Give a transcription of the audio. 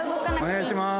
お願いしまーす。